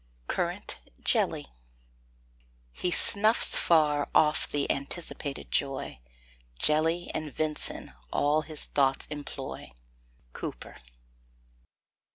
CURRANT JELLY. He snuffs far off the anticipated joy, Jelly and ven'son all his thoughts employ. COWPER.